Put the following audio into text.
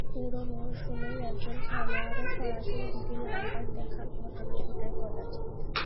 পুরো মৌসুমেই একজন খেলোয়াড়ের সরাসরি দুটি লাল কার্ড দেখার ঘটনা ঘটে কদাচিৎ।